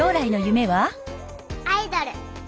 「アイドル」！